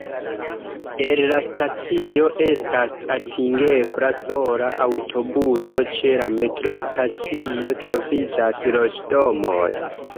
El la stacio estas atingebla sola aŭtobuso, ĉe la metrostacio troviĝas loĝdomoj.